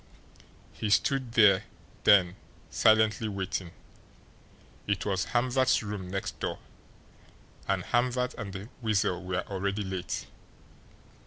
He stood there then silently waiting. It was Hamvert's room next door, and Hamvert and the Weasel were already late.